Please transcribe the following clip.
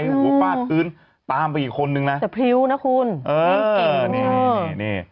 หูป้าตื้นตามไปอีกคนนึงนะสะพริ้วนะคุณเออนี่นี่นี่นี่